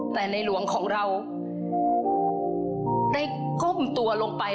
แต่ในหลวงของเราได้ก้มตัวลงไป